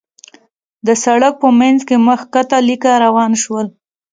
د سړک په مينځ کې مخ کښته ليکه روان شول.